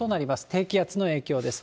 低気圧の影響です。